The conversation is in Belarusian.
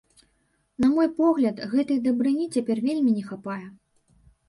На мой погляд, гэтай дабрыні цяпер вельмі не хапае.